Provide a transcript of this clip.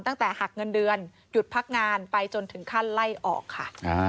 ตั้งแต่หักเงินเดือนหยุดพักงานไปจนถึงขั้นไล่ออกค่ะ